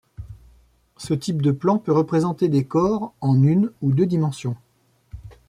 Ce type de plan peut représenter des corps en une ou deux dimensions.